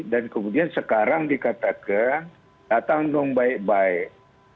dan kemudian sekarang dikatakan datang dong baik baik